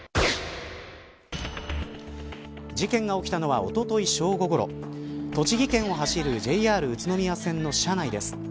事件が起きたのはおととい、正午ごろ栃木県を走るＪＲ宇都宮線の車内です。